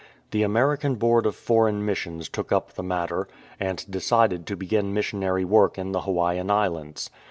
The American Board of Foreign Missions took up the matter, and decided to begin missionary work in the Hawaiian Islands.